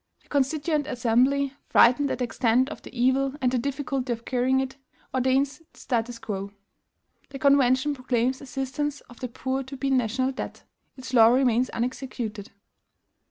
"The Constituent Assembly, frightened at the extent of the evil and the difficulty of curing it, ordains the statu quo. "The Convention proclaims assistance of the poor to be a NATIONAL DEBT. Its law remains unexecuted.